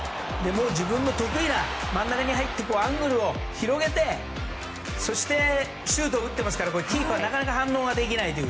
自分の得意な真ん中に入ってアングルを広げてそしてシュートを打っているのでキーパーはなかなか反応できない。